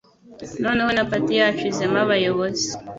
Noneho na party yacu izemo abayobozi